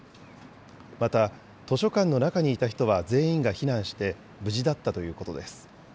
また、図書館の中にいた人は全員が避難して、無事だったということです。